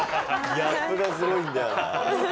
ギャップがすごいんだよな。